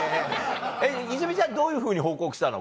えっ泉ちゃんどういうふうに報告したの？